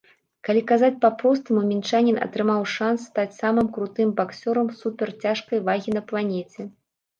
Калі казаць па-простаму, мінчанін атрымаў шанц стаць самым крутым баксёрам суперцяжкай вагі на планеце.